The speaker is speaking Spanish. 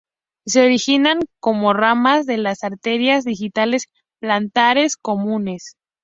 Se originan como "ramas" de las arterias digitales plantares comunes.